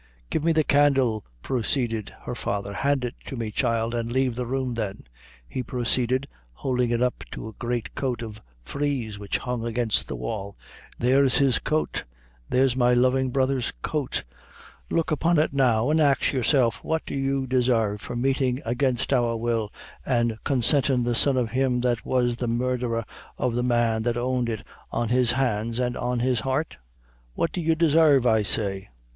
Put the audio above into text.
"Give me the candle," proceeded her father; "hand it to me, child, and leave the room; then," he proceeded, holding it up to a great coat of frieze which hung against the wall "there's his coat there's my lovin' brother's coat; look upon it now, an' ax yourself what do you desarve for meeting against our will an' consint the son of him that has the murdher of the man that owned it on his hands an' on his heart? What do you desarve, I say?"